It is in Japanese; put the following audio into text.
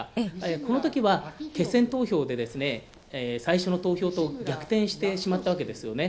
このときは、決選投票で最初の投票と逆転してしまったわけですよね。